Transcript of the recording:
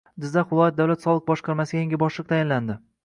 Jizzax viloyat davlat soliq boshqarmasiga yangi boshliq tayinlandi